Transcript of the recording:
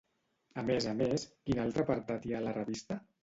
A més a més, quin altre apartat hi ha a la revista?